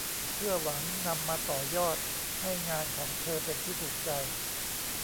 เพื่อหวังนำมาต่อยอดให้งานของเธอเป็นที่ถูกใจ